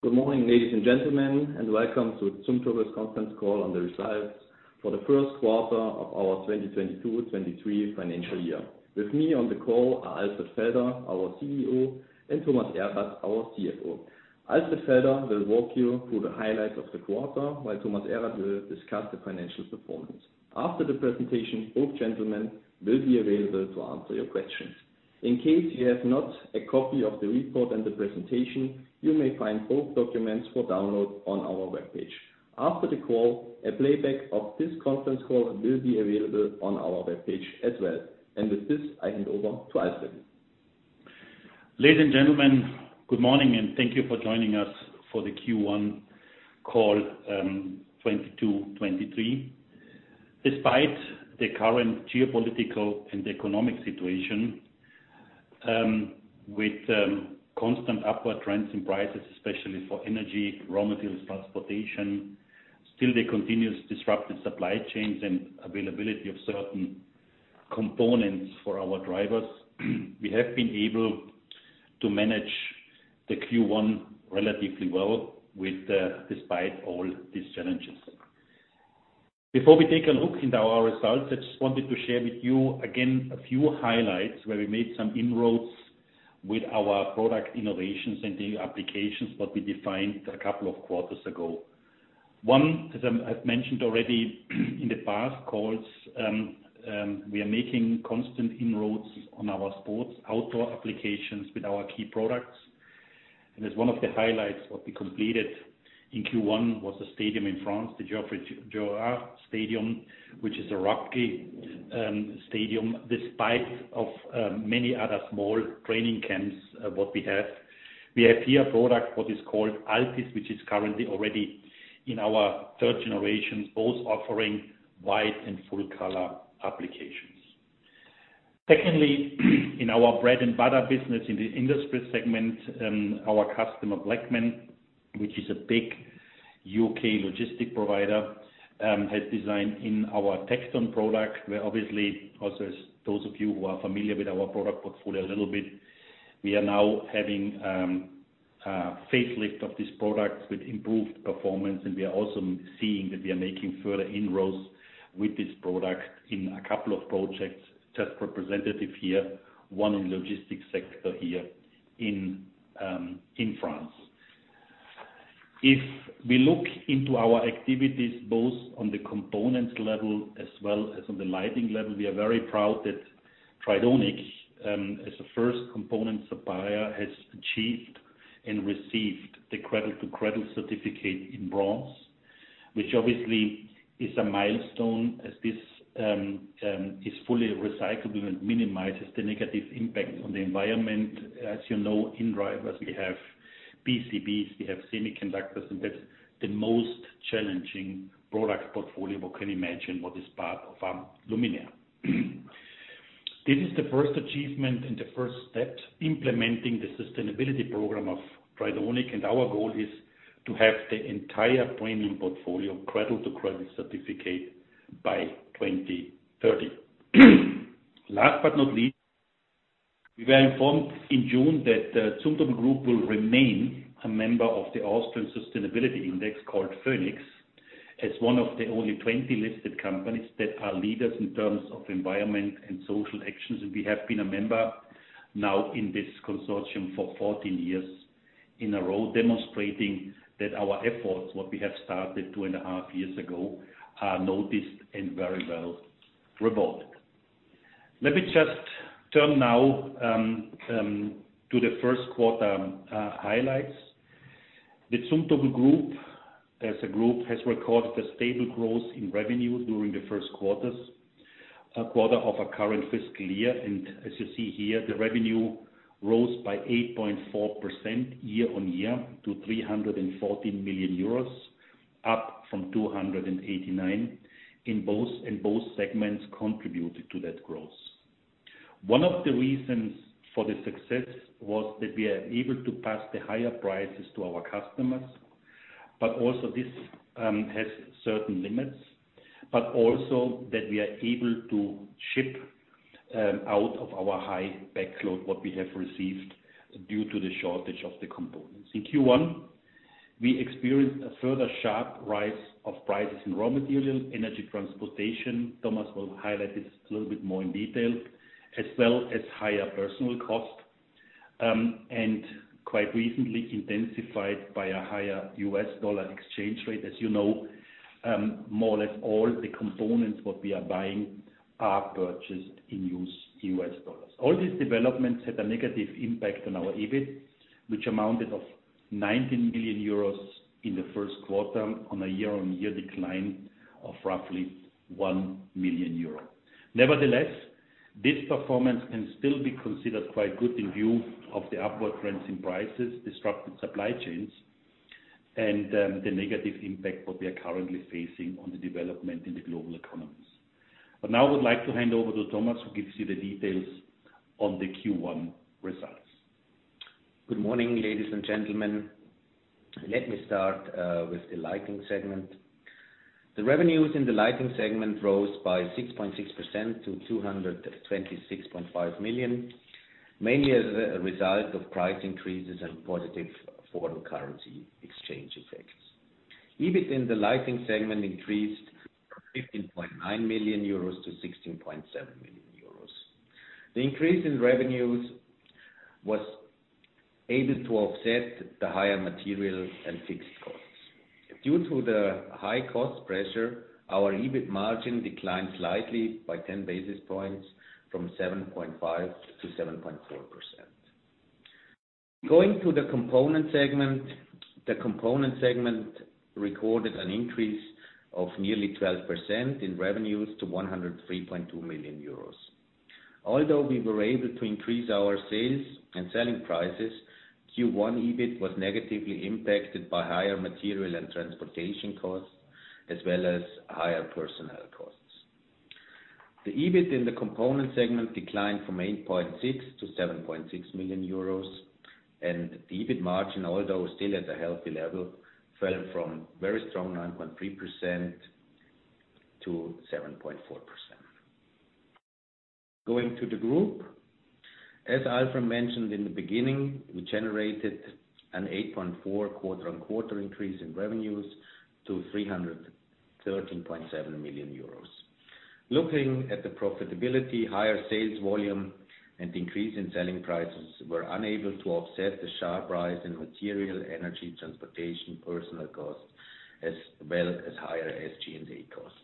Good morning, ladies and gentlemen, and welcome to Zumtobel's Conference Call on the Results for the First Quarter of Our 2022-2023 Financial Year. With me on the call are Alfred Felder, our CEO, and Thomas Erath, our CFO. Alfred Felder will walk you through the highlights of the quarter, while Thomas Erath will discuss the financial performance. After the presentation, both gentlemen will be available to answer your questions. In case you have not a copy of the report and the presentation, you may find both documents for download on our webpage. After the call, a playback of this conference call will be available on our webpage as well. With this, I hand over to Alfred. Ladies and gentlemen, good morning, and thank you for joining us for the Q1 2022-2023 call. Despite the current geopolitical and economic situation with constant upward trends in prices, especially for energy, raw materials, transportation, still the continuously disrupted supply chains and availability of certain components for our drivers, we have been able to manage the Q1 relatively well despite all these challenges. Before we take a look into our results, I just wanted to share with you again a few highlights where we made some inroads with our product innovations and the applications that we defined a couple of quarters ago. One, as I've mentioned already in the past calls, we are making constant inroads on our sports outdoor applications with our key products. As one of the highlights what we completed in Q1 was a stadium in France, the Stade Geoffroy-Guichard, which is a rugby stadium. Despite of many other small training camps what we have. We have here a product what is called Altis, which is currently already in our third generation, both offering white and full color applications. Secondly, in our bread and butter business in the industry segment, our customer, Bleckmann, which is a big U.K. logistics provider, has designed in our TECTON product, where obviously also as those of you who are familiar with our product portfolio a little bit, we are now having facelift of this product with improved performance. We are also seeing that we are making further inroads with this product in a couple of projects. Just representative here, one in logistics sector here in France. If we look into our activities both on the components level as well as on the lighting level, we are very proud that Tridonic, as the first component supplier, has achieved and received the Cradle to Cradle certificate in Bronze, which obviously is a milestone as this is fully recyclable and minimizes the negative impact on the environment. As you know, in drivers, we have PCBs, we have semiconductors, and that's the most challenging product portfolio one can imagine that is part of our luminaires. This is the first achievement and the first step implementing the sustainability program of Tridonic, and our goal is to have the entire premium portfolio Cradle to Cradle certificate by 2030. Last but not least, we were informed in June that Zumtobel Group will remain a member of the Austrian Sustainability Index called VÖNIX, as one of the only 20 listed companies that are leaders in terms of environment and social actions. We have been a member now in this consortium for 14 years in a row, demonstrating that our efforts, what we have started two and a half years ago, are noticed and very well rewarded. Let me just turn now to the first quarter highlights. The Zumtobel Group, as a group, has recorded a stable growth in revenue during the first quarter of our current fiscal year. As you see here, the revenue rose by 8.4% year-on-year to 314 million euros, up from 289 million. In both segments contributed to that growth. One of the reasons for the success was that we are able to pass the higher prices to our customers, but also this has certain limits, but also that we are able to ship out of our high backlog what we have received due to the shortage of the components. In Q1, we experienced a further sharp rise of prices in raw materials, energy, transportation. Thomas will highlight this a little bit more in detail, as well as higher personnel cost, and quite recently intensified by a higher U.S. dollar exchange rate. As you know, more or less all the components what we are buying are purchased in U.S. dollars. All these developments had a negative impact on our EBIT, which amounted to [19] million euros in the first quarter on a year-on-year decline of roughly 1 million euro. Nevertheless, this performance can still be considered quite good in view of the upward trends in prices, disrupted supply chains and the negative impact what we are currently facing on the development in the global economies. Now I would like to hand over to Thomas, who gives you the details on the Q1 results. Good morning, ladies and gentlemen. Let me start with the lighting segment. The revenues in the lighting segment rose by 6.6% to 226.5 million, mainly as a result of price increases and positive foreign currency exchange effects. EBIT in the lighting segment increased from 15.9 million euros to 16.7 million euros. The increase in revenues was able to offset the higher material and fixed costs. Due to the high cost pressure, our EBIT margin declined slightly by 10 basis points from 7.5% to 7.4%. Going to the component segment. The component segment recorded an increase of nearly 12% in revenues to 103.2 million euros. Although we were able to increase our sales and selling prices, Q1 EBIT was negatively impacted by higher material and transportation costs, as well as higher personnel costs. The EBIT in the component segment declined from 8.6 million to 7.6 million euros, and the EBIT margin, although still at a healthy level, fell from very strong 9.3% to 7.4%. Going to the group. As Alfred mentioned in the beginning, we generated an 8.4% quarter-on-quarter increase in revenues to 313.7 million euros. Looking at the profitability, higher sales volume and increase in selling prices were unable to offset the sharp rise in material, energy, transportation, personnel costs, as well as higher SG&A costs.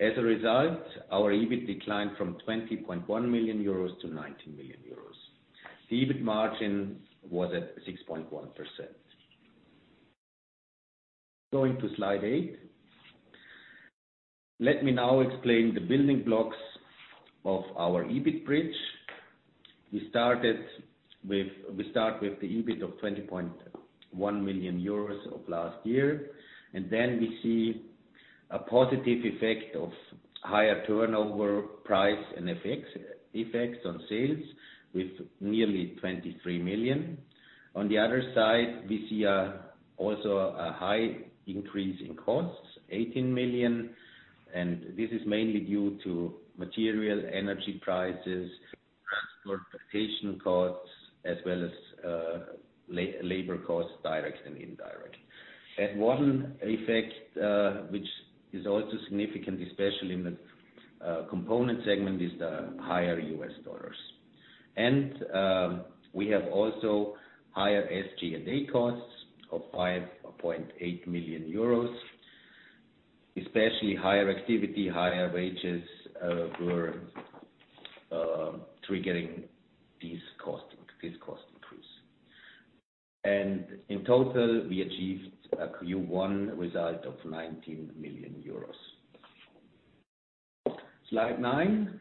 As a result, our EBIT declined from 20.1 million euros to 19 million euros. The EBIT margin was at 6.1%. Going to slide eight. Let me now explain the building blocks of our EBIT bridge. We start with the EBIT of 20.1 million euros of last year, and then we see a positive effect of higher turnover price and effects on sales with nearly 23 million. On the other side, we see also a high increase in costs, 18 million, and this is mainly due to material, energy prices, transportation costs, as well as labor costs, direct and indirect. One effect which is also significant, especially in the component segment, is the higher U.S. dollars. We have also higher SG&A costs of 5.8 million euros. Especially higher activity, higher wages were triggering this cost increase. In total, we achieved a Q1 result of 19 million euros. Slide nine.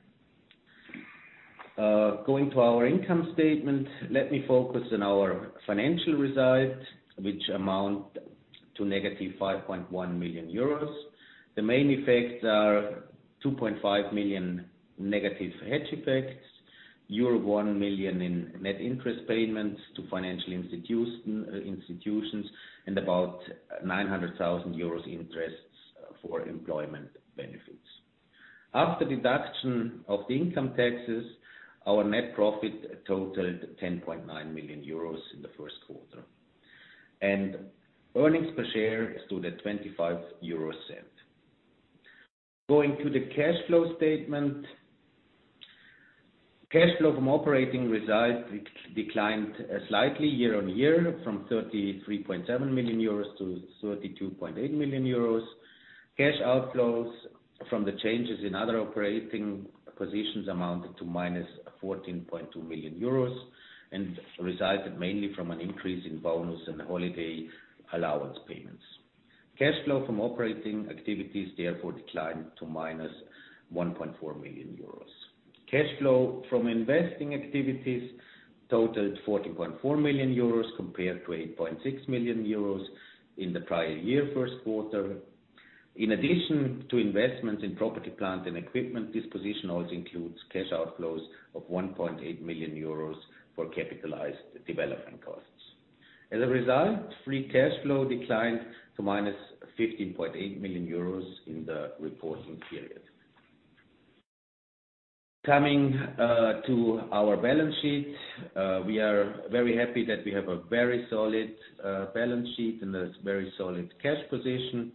Going to our income statement, let me focus on our financial results, which amount to -5.1 million euros. The main effects are -2.5 million hedge effects, euro 1 million in net interest payments to financial institutions, and about 900,000 euros interest for employment benefits. After deduction of the income taxes, our net profit totaled 10.9 million euros in the first quarter. Earnings per share stood at 0.25. Going to the cash flow statement. Cash flow from operating results declined slightly year-on-year from 33.7 million euros to 32.8 million euros. Cash outflows from the changes in other operating positions amounted to -14.2 million euros and resulted mainly from an increase in bonus and holiday allowance payments. Cash flow from operating activities therefore declined to -1.4 million euros. Cash flow from investing activities totaled 14.4 million euros compared to 8.6 million euros in the prior year first quarter. In addition to investments in property, plant and equipment, this position also includes cash outflows of 1.8 million euros for capitalized development costs. As a result, free cash flow declined to -15.8 million euros in the reporting period. Coming to our balance sheet. We are very happy that we have a very solid balance sheet and a very solid cash position.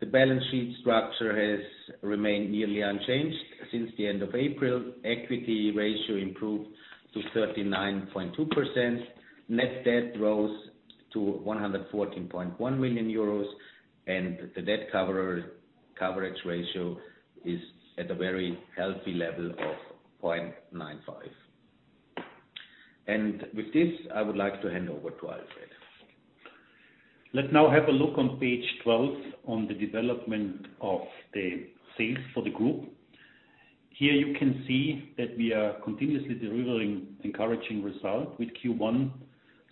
The balance sheet structure has remained nearly unchanged since the end of April. Equity ratio improved to 39.2%. Net debt rose to 114.1 million euros, and the debt coverage ratio is at a very healthy level of 0.95. With this, I would like to hand over to Alfred. Let's now have a look on page 12 on the development of the sales for the group. Here you can see that we are continuously delivering encouraging results with Q1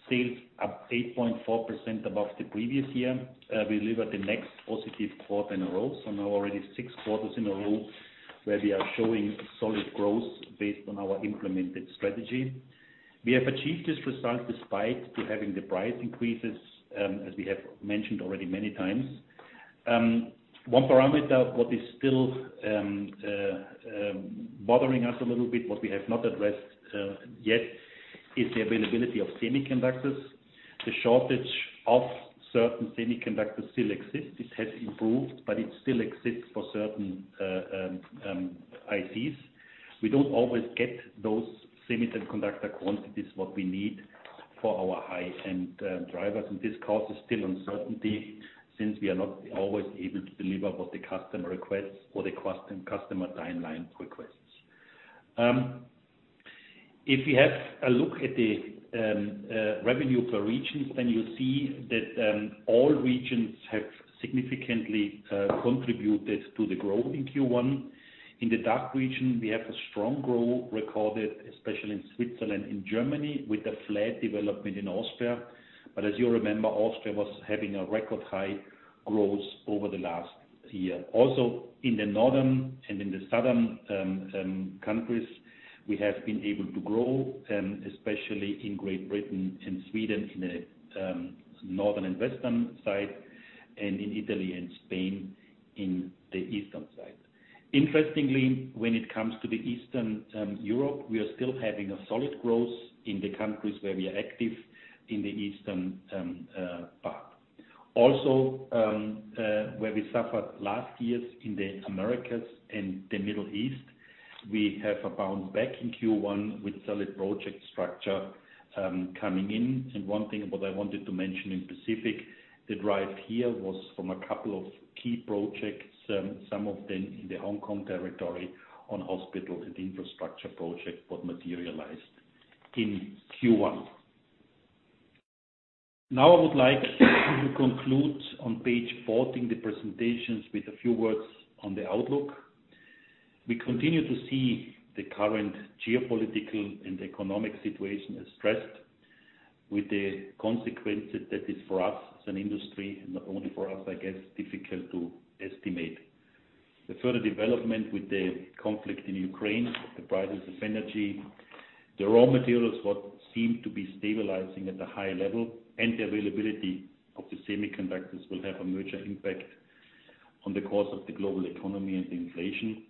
sales up 8.4% above the previous year. We deliver the next positive quarter in a row, so now already six quarters in a row where we are showing solid growth based on our implemented strategy. We have achieved this result despite having the price increases, as we have mentioned already many times. One parameter what is still bothering us a little bit, what we have not addressed yet is the availability of semiconductors. The shortage of certain semiconductors still exists. It has improved, but it still exists for certain ICs. We don't always get those semiconductor quantities what we need for our high-end drivers. This causes still uncertainty since we are not always able to deliver what the customer requests or the customer timeline requests. If you have a look at the revenue per regions, then you'll see that all regions have significantly contributed to the growth in Q1. In the DACH region, we have a strong growth recorded, especially in Switzerland and Germany, with a flat development in Austria. As you remember, Austria was having a record high growth over the last year. Also, in the northern and in the southern countries, we have been able to grow, especially in Great Britain and Sweden in the northern and western side, and in Italy and Spain in the eastern side. Interestingly, when it comes to the Eastern Europe, we are still having a solid growth in the countries where we are active in the eastern part. Also, where we suffered last years in the Americas and the Middle East, we have a bounce back in Q1 with solid project structure coming in. One thing what I wanted to mention in specific, the drive here was from a couple of key projects, some of them in the Hong Kong territory on hospital and infrastructure project, what materialized in Q1. Now I would like to conclude on page 14, the presentations, with a few words on the outlook. We continue to see the current geopolitical and economic situation as stressed, with the consequences that is for us as an industry, and not only for us, I guess, difficult to estimate. The further development with the conflict in Ukraine, the prices of energy, the raw materials, what seem to be stabilizing at a high level, and the availability of the semiconductors will have a major impact on the course of the global economy and the inflation,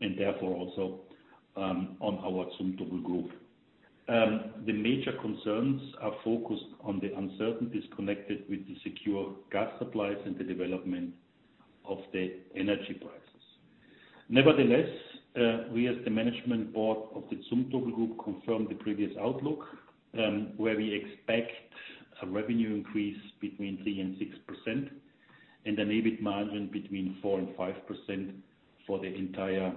and therefore also on our Zumtobel Group. The major concerns are focused on the uncertainties connected with the secure gas supplies and the development of the energy prices. Nevertheless, we as the management board of the Zumtobel Group confirmed the previous outlook, where we expect a revenue increase between 3% and 6%, and an EBIT margin between 4% and 5% for the entire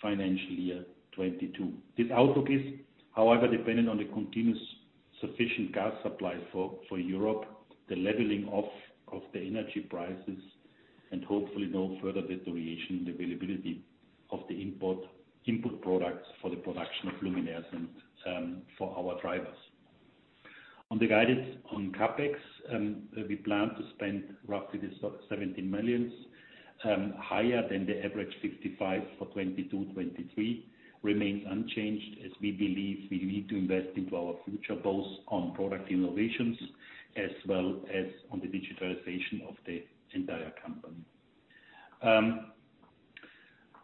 financial year 2022. This outlook is, however, dependent on the continuous sufficient gas supply for Europe, the leveling off of the energy prices, and hopefully no further deterioration in the availability of the imported input products for the production of luminaires and for our drivers. On the guidance on CapEx, we plan to spend roughly 70 million, higher than the average 55 million for 2022, 2023 remains unchanged as we believe we need to invest into our future, both on product innovations as well as on the digitalization of the entire company.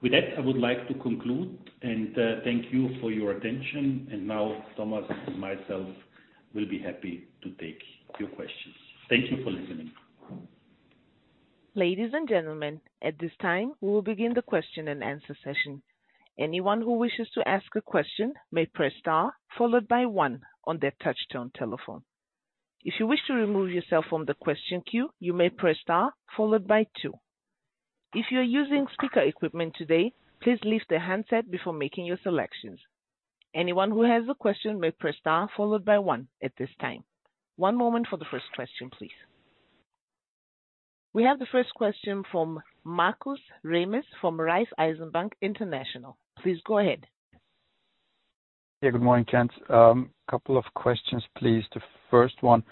With that, I would like to conclude and thank you for your attention. Now Thomas and myself will be happy to take your questions. Thank you for listening. Ladies and gentlemen, at this time, we will begin the question and answer session. Anyone who wishes to ask a question may press star followed by one on their touchtone telephone. If you wish to remove yourself from the question queue, you may press star followed by two. If you're using speaker equipment today, please lift the handset before making your selections. Anyone who has a question may press star followed by one at this time. One moment for the first question, please. We have the first question from Markus Remis from Raiffeisen Bank International. Please go ahead. Yeah. Good morning, gents. Couple of questions, please. The first one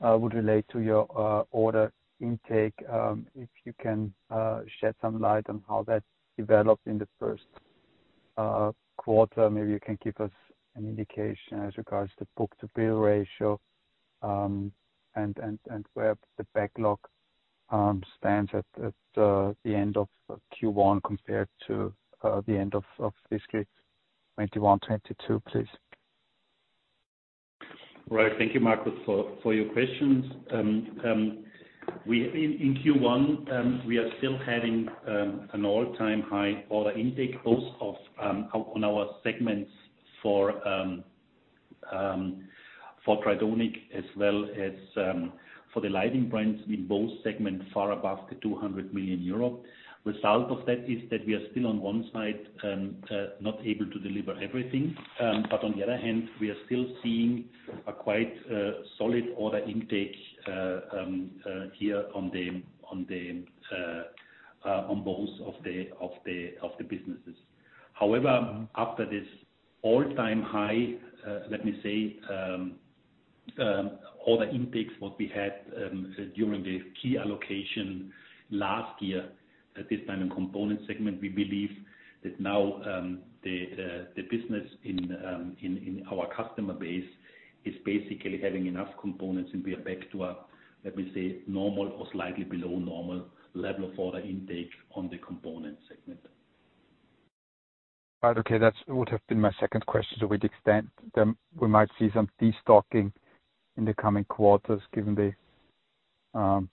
would relate to your order intake. If you can shed some light on how that developed in the first quarter. Maybe you can give us an indication as regards to book-to-bill ratio, and where the backlog stands at the end of Q1 compared to the end of fiscal 2021, 2022, please. Right. Thank you, Markus, for your questions. In Q1, we are still having an all-time high order intake, both on our segments for Tridonic as well as for the lighting brands in both segments, far above 200 million euro. Result of that is that we are still on one side not able to deliver everything. On the other hand, we are still seeing a quite solid order intake here on both of the businesses. However, after this all time high, let me say, all the intakes what we had during the key allocation last year at this time in component segment, we believe that now, the business in our customer base is basically having enough components and we are back to a, let me say, normal or slightly below normal level of order intake on the component segment. Right. Okay. That would have been my second question. To what extent then we might see some destocking in the coming quarters given the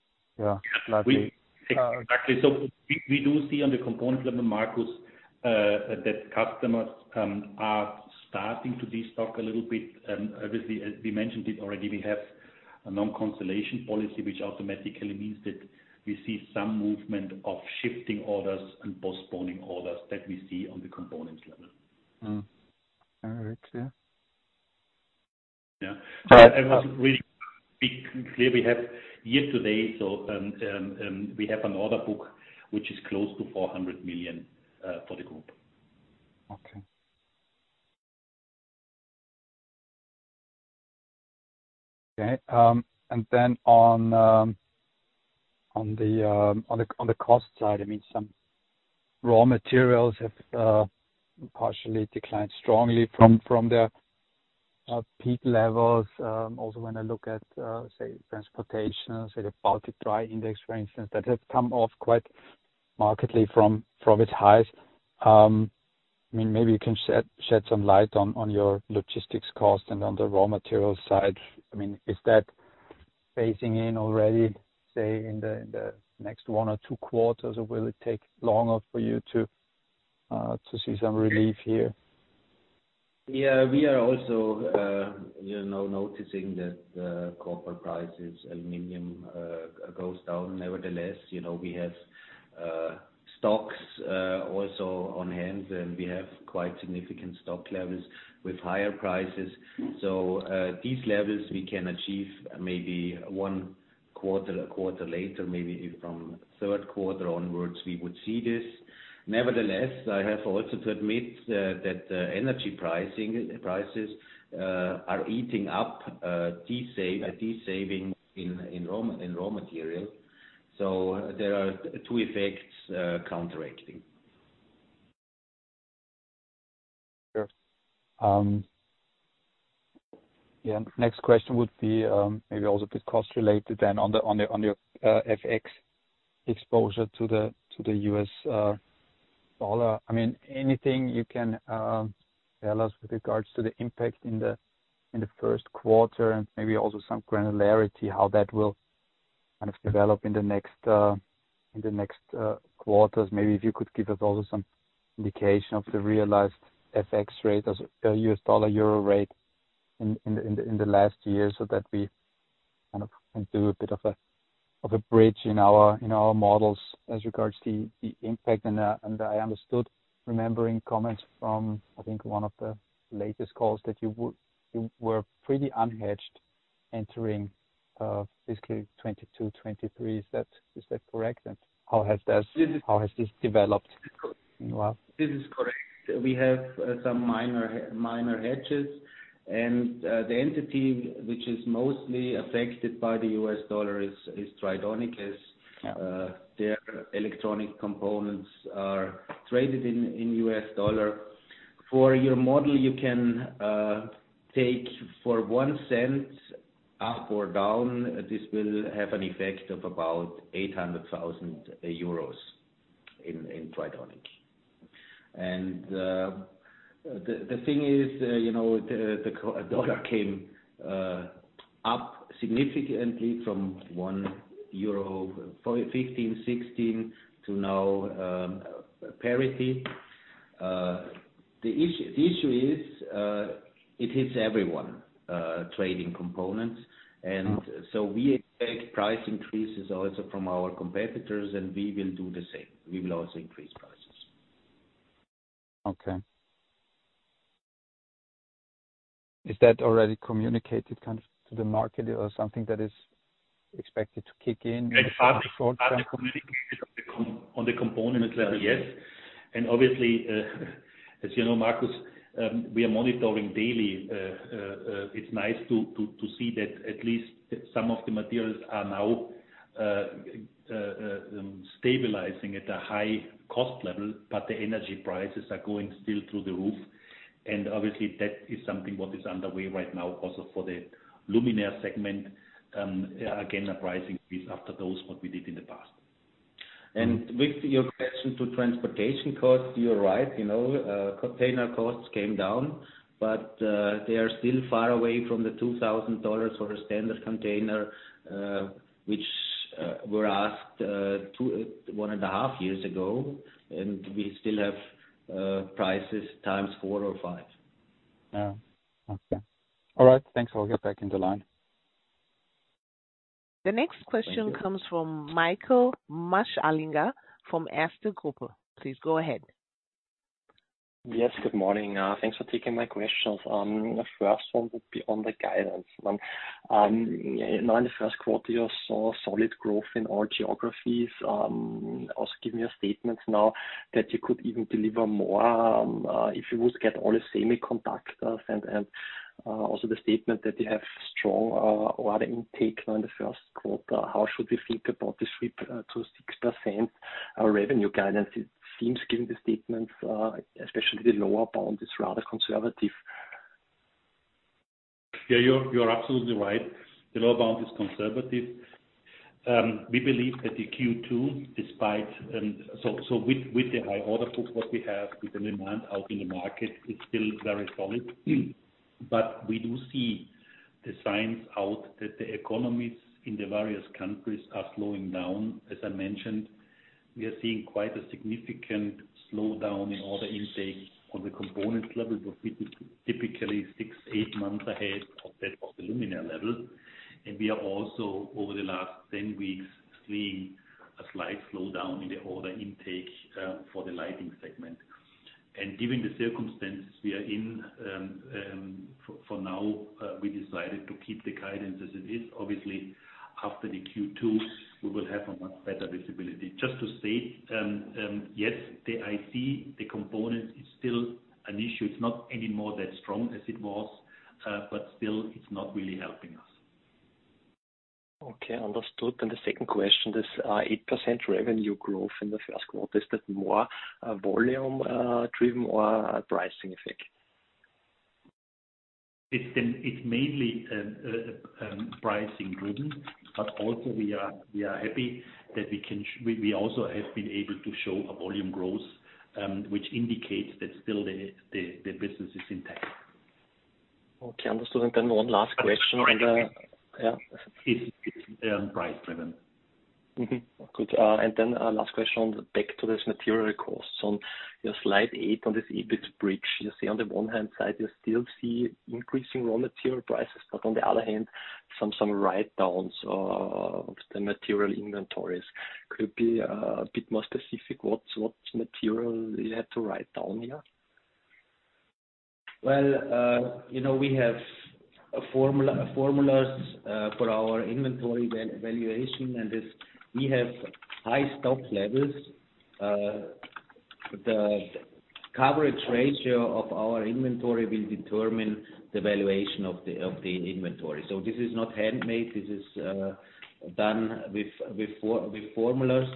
slightly Exactly. We do see on the component level, Markus, that customers are starting to destock a little bit. Obviously, as we mentioned it already, we have a non-cancellation policy which automatically means that we see some movement of shifting orders and postponing orders that we see on the components level. All right. Yeah. Yeah. We clearly have year to date. We have an order book which is close to 400 million for the group. Okay. On the cost side, I mean some raw materials have partially declined strongly from their peak levels. Also when I look at say transportation, say the Baltic Dry Index for instance, that has come off quite markedly from its highs. I mean maybe you can shed some light on your logistics cost and on the raw material side. I mean, is that phasing in already, say in the next one or two quarters? Or will it take longer for you to see some relief here? Yeah, we are also, you know, noticing that copper prices, aluminum goes down. Nevertheless, you know, we have stocks also on hand, and we have quite significant stock levels with higher prices. These levels we can achieve maybe one quarter, a quarter later, maybe from third quarter onwards we would see this. Nevertheless, I have also to admit that energy prices are eating up these savings in raw material. There are two effects counteracting. Sure. Yeah. Next question would be, maybe also a bit cost related then on your FX exposure to the U.S. dollar. I mean, anything you can tell us with regards to the impact in the first quarter and maybe also some granularity, how that will kind of develop in the next quarters? Maybe if you could give us also some indication of the realized FX rate as a U.S. dollar euro rate in the last year, so that we kind of can do a bit of a bridge in our models as regards to the impact. I understood remembering comments from, I think one of the latest calls that you were pretty unhedged entering, basically 2022, 2023. Is that correct? How has this developed in a while? This is correct. We have some minor hedges. The entity which is mostly affected by the U.S. dollar is Tridonic. As their electronic components are traded in U.S. dollar. For your model, you know, take for $0.01 up or down, this will have an effect of about 800,000 euros in Tridonic. The thing is, you know, the dollar came up significantly from 1.15 euro, 1.16 to now parity. The issue is, it hits everyone trading components. We expect price increases also from our competitors, and we will do the same. We will also increase prices. Okay. Is that already communicated kind of to the market or something that is expected to kick in in the short term? On the component level, yes. Obviously, as you know, Markus, we are monitoring daily. It's nice to see that at least some of the materials are now stabilizing at a high cost level, but the energy prices are going still through the roof. Obviously that is something what is underway right now also for the luminaire segment. Again, a price increase after those what we did in the past. With your question to transportation costs, you're right. You know, container costs came down, but they are still far away from the $2,000 for a standard container, which were $2,000 1.5 years ago. We still have prices 4x or 5x. Yeah. Okay. All right. Thanks. I'll get back in the line. The next question comes from Michael Marschallinger from Erste Group. Please go ahead. Yes, good morning. Thanks for taking my questions. The first one would be on the guidance. Now in the first quarter you saw solid growth in all geographies. Also give me your statements now that you could even deliver more, if you would get all the semiconductors and also the statement that you have strong order intake now in the first quarter. How should we think about the sweep to 6% revenue guidance? It seems, given the statements, especially the lower bound is rather conservative. Yeah, you're absolutely right. The lower bound is conservative. We believe that the Q2 despite. With the high order book, what we have with the demand out in the market, it's still very solid. We do see the signs that the economies in the various countries are slowing down. As I mentioned, we are seeing quite a significant slowdown in order intake on the component level typically six-eight months ahead of that of the luminaire level. We are also over the last 10 weeks seeing a slight slowdown in the order intake for the lighting segment. Given the circumstances we are in, for now we decided to keep the guidance as it is. Obviously, after the Q2 we will have a much better visibility. Just to state, yes, the IC, the component is still an issue. It's not anymore as strong as it was, but still it's not really helping us. Okay, understood. The second question, this, 8% revenue growth in the first quarter, is that more, volume, driven or a pricing effect? It's mainly pricing driven, but also we are happy that we also have been able to show a volume growth, which indicates that still the business is intact. Okay, understood. One last question on the- It's price driven. Yeah. It's price driven. Good. Last question, back to this material costs. On your slide eight on this EBIT bridge, you see on the one hand side you still see increasing raw material prices, but on the other hand, some write downs of the material inventories. Could you be a bit more specific what material you had to write down here? Well, you know, we have formulas for our inventory valuation, and if we have high stock levels, the coverage ratio of our inventory will determine the valuation of the inventory. This is not handmade, this is done with formulas.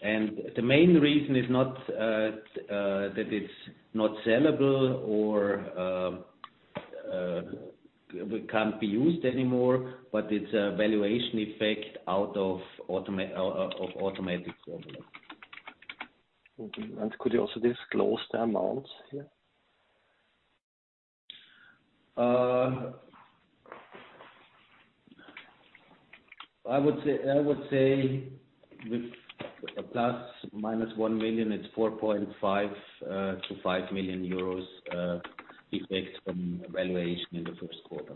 The main reason is not that it's not sellable or we can't be used anymore, but it's a valuation effect out of automatic formula. Okay. Could you also disclose the amounts here? I would say with a ±1 million, it's 4.5 million-5 million euros effect from valuation in the first quarter.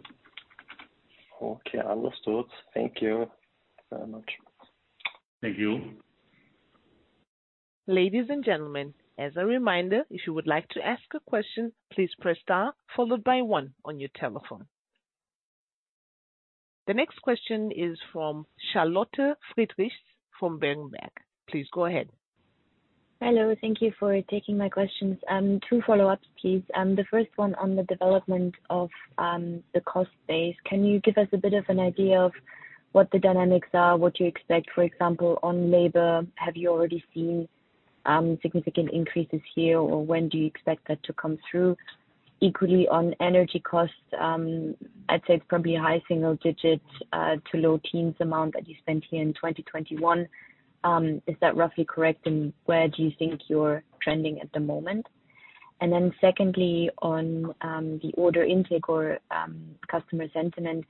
Okay, understood. Thank you very much. Thank you. Ladies and gentlemen, as a reminder, if you would like to ask a question, please press star followed by one on your telephone. The next question is from Charlotte Friedrichs from Berenberg. Please go ahead. Hello. Thank you for taking my questions. Two follow-ups, please. The first one on the development of the cost base. Can you give us a bit of an idea of what the dynamics are, what you expect, for example, on labor? Have you already seen significant increases here, or when do you expect that to come through? Equally on energy costs, I'd say it's probably high single digits to low teens amount that you spent here in 2021. Is that roughly correct, and where do you think you're trending at the moment? Secondly on the order intake or customer sentiment,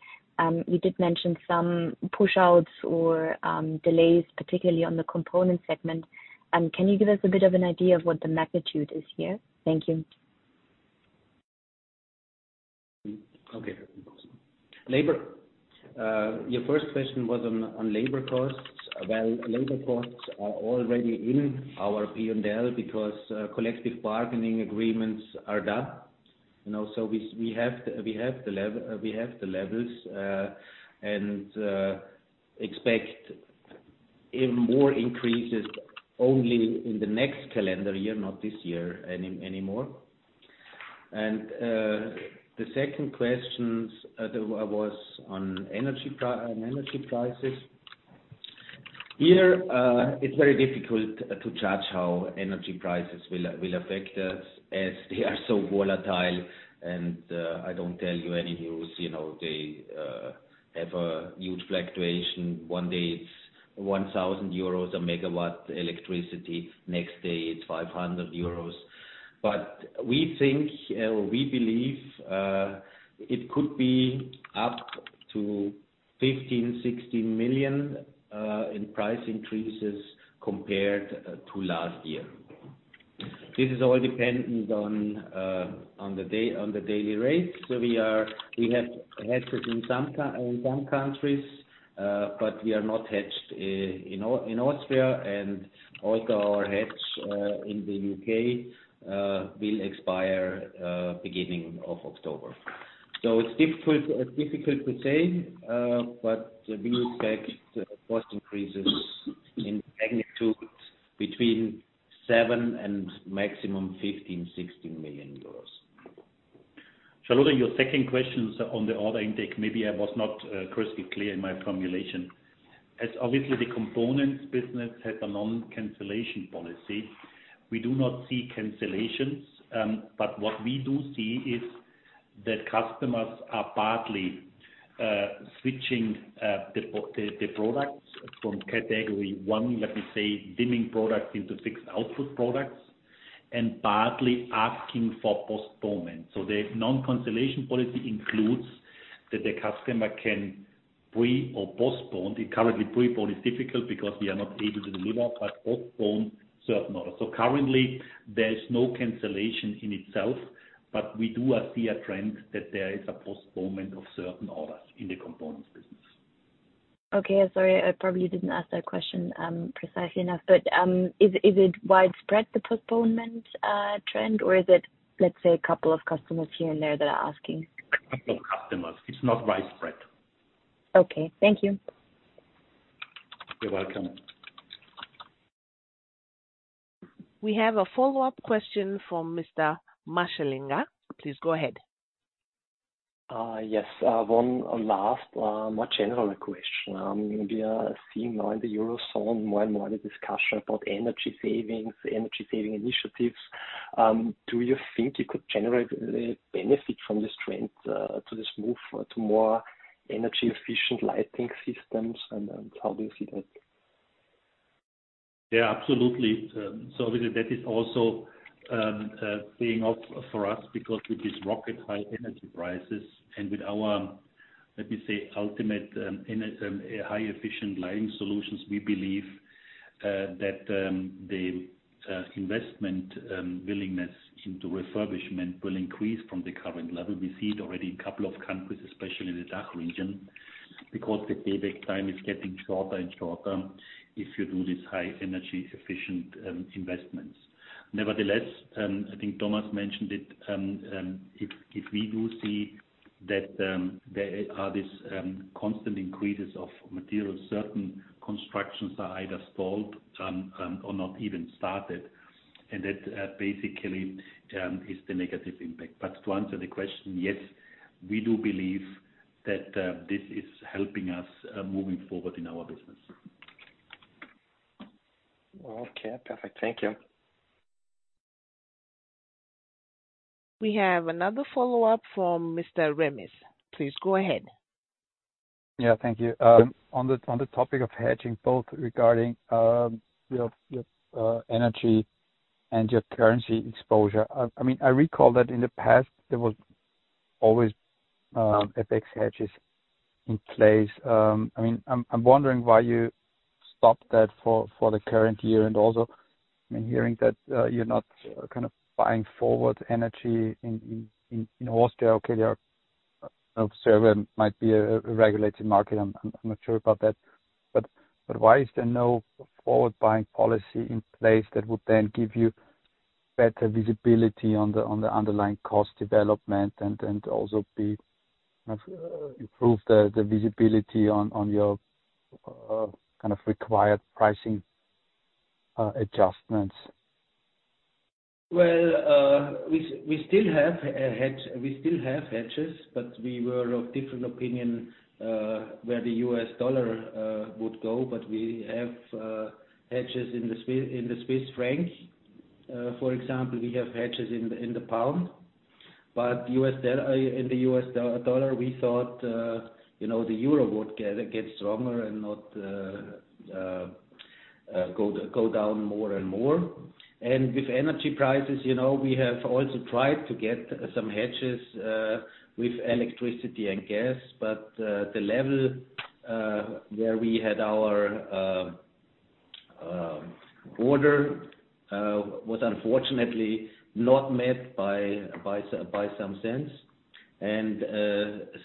you did mention some push-outs or delays, particularly on the component segment. Can you give us a bit of an idea of what the magnitude is here? Thank you. Okay. Labor. Your first question was on labor costs. Well, labor costs are already in our P&L because collective bargaining agreements are done. You know, we have the levels and expect even more increases only in the next calendar year, not this year anymore. The second question was on energy prices. Here, it's very difficult to judge how energy prices will affect us as they are so volatile. I don't tell you any news, you know, they have a huge fluctuation. One day it's 1,000 euros a megawatt electricity, next day it's 500 euros. We think, or we believe, it could be up to 15 million-60 million in price increases compared to last year. This is all dependent on the daily rates. We have hedged in some countries, but we are not hedged in Austria. Also our hedge in the U.K. will expire beginning of October. It's difficult to say, but we expect cost increases in magnitude between 7 million and maximum 15-16 million euros. Charlotte, your second question is on the order intake. Maybe I was not crystal clear in my formulation. As obviously the components business has a non-cancellation policy. We do not see cancellations, but what we do see is that customers are partly switching the products from category one, let me say, dimming products into fixed output products, and partly asking for postponement. The non-cancellation policy includes that the customer can prepone or postpone. Currently, pre-book is difficult because we are not able to deliver, but postpone certain orders. Currently there is no cancellation in itself, but we do see a trend that there is a postponement of certain orders in the components business. Okay, sorry, I probably didn't ask that question precisely enough. Is it widespread, the postponement trend? Or is it, let's say, a couple of customers here and there that are asking? A couple of customers. It's not widespread. Okay, thank you. You're welcome. We have a follow-up question from Mr. Marschallinger. Please go ahead. Yes, one last more general question. We are seeing now in the Eurozone more and more the discussion about energy savings, energy saving initiatives. Do you think you could generate benefit from this trend to this move to more energy efficient lighting systems, and how do you see that? Yeah, absolutely. So obviously that is also paying off for us because with these rocket high energy prices and with our, let me say, ultimate high efficient lighting solutions, we believe that the investment willingness into refurbishment will increase from the current level. We see it already in a couple of countries, especially in the DACH region, because the payback time is getting shorter and shorter if you do this high energy efficient investments. Nevertheless, I think Thomas mentioned it, if we do see that there are these constant increases of material, certain constructions are either stalled or not even started, and that basically is the negative impact. To answer the question, yes, we do believe that this is helping us moving forward in our business. Okay, perfect. Thank you. We have another follow-up from Mr. Remis. Please go ahead. Yeah, thank you. On the topic of hedging, both regarding your energy and your currency exposure, I mean, I recall that in the past there was always FX hedges in place. I mean, I'm wondering why you stopped that for the current year and also, I mean, hearing that you're not kind of buying forward energy in Austria. Austria might be a regulated market, I'm not sure about that. But why is there no forward buying policy in place that would then give you better visibility on the underlying cost development and also improve the visibility on your kind of required pricing adjustments? Well, we still have a hedge. We still have hedges, but we were of different opinion where the U.S. dollar would go. We have hedges in the Swiss franc. For example, we have hedges in the pound, but in the U.S. dollar, we thought, you know, the euro would get stronger and not go down more and more. With energy prices, you know, we have also tried to get some hedges with electricity and gas. The level where we had our order was unfortunately not met by some sense.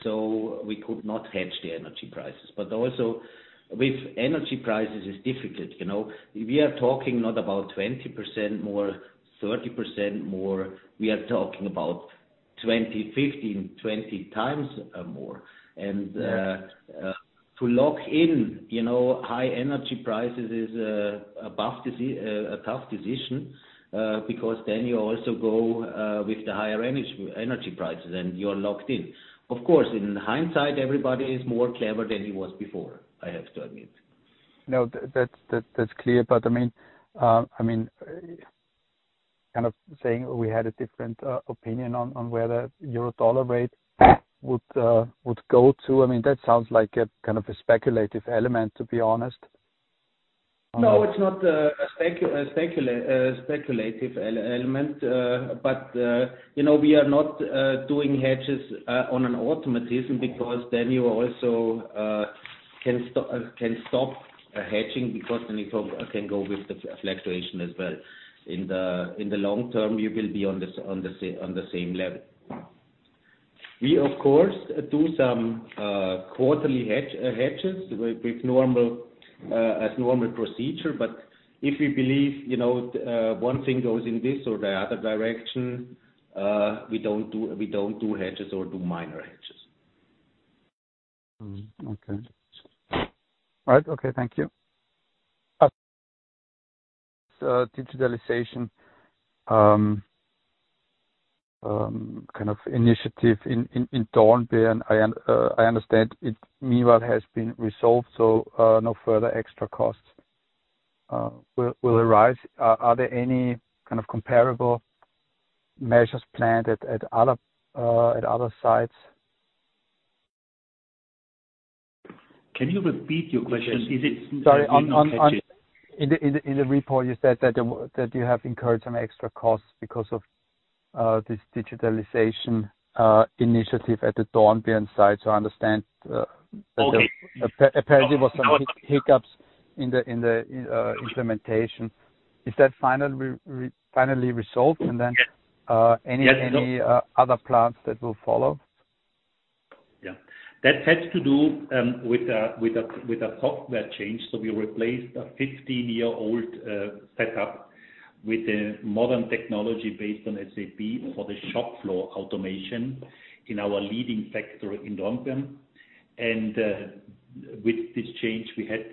So we could not hedge the energy prices. Also with energy prices, it's difficult, you know. We are talking not about 20% more, 30% more. We are talking about 20x, 15x, 20x more. Yeah. To lock in, you know, high energy prices is a tough decision, because then you also go with the higher energy prices and you're locked in. Of course, in hindsight, everybody is more clever than he was before, I have to admit. No, that's clear. I mean, kind of saying we had a different opinion on where the euro-dollar rate would go to. I mean, that sounds like a kind of a speculative element, to be honest. No, it's not a speculative element. You know, we are not doing hedges on an automatic basis because then you also can stop hedging because then you can go with the fluctuation as well. In the long term, you will be on the same level. We of course do some quarterly hedges as normal procedure. If we believe, you know, one thing goes in this or the other direction, we don't do hedges or do minor hedges. Thank you. Digitalization kind of initiative in Dornbirn. I understand it meanwhile has been resolved, so no further extra costs will arise. Are there any kind of comparable measures planned at other sites? Can you repeat your question? Sorry. I did not catch it. In the report, you said that you have incurred some extra costs because of this digitalization initiative at the Dornbirn site. I understand. Okay. That there apparently was some hiccups in the implementation. Is that finally resolved? Yes. And then, uh, any- Yes. No. Any other plans that will follow? Yeah. That had to do with a software change. We replaced a 15-year-old setup with a modern technology based on SAP for the shop floor automation in our leading factory in Dornbirn. With this change, we had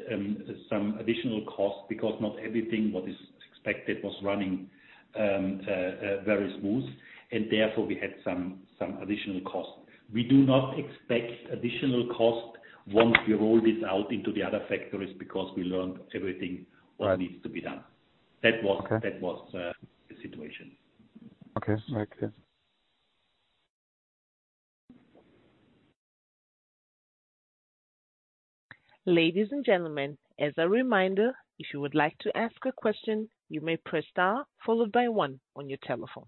some additional costs because not everything that was expected was running very smooth, and therefore we had some additional costs. We do not expect additional costs once we roll this out into the other factories because we learned everything. Right. What needs to be done. Okay. That was the situation. Okay. Thank you. Ladies and gentlemen, as a reminder, if you would like to ask a question, you may press star followed by one on your telephone.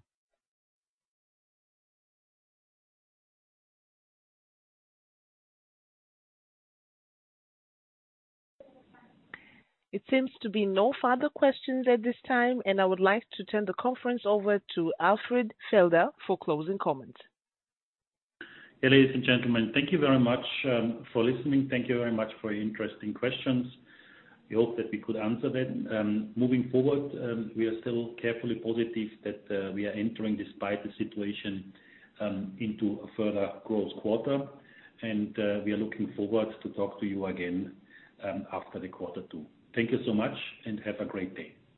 It seems to be no further questions at this time, and I would like to turn the conference over to Alfred Felder for closing comments. Ladies and gentlemen, thank you very much for listening. Thank you very much for your interesting questions. We hope that we could answer them. Moving forward, we are still carefully positive that we are entering despite the situation into a further growth quarter. We are looking forward to talk to you again after the quarter two. Thank you so much and have a great day.